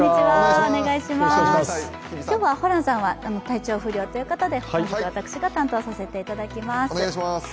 今日はホランさんは体調不良ということで本日、私が担当させていただきます